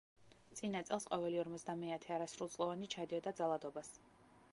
წინა წელს ყოველი ორმოცდამეათე არასრულწლოვანი ჩადიოდა ძალადობას.